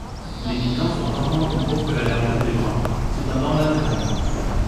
Les piquants sont rarement plus courts que la largeur des bras, s'étendant latéralement.